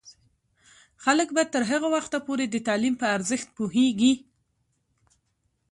خلک به تر هغه وخته پورې د تعلیم په ارزښت پوهیږي.